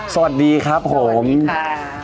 สวัสดีครับผมสวัสดีค่ะ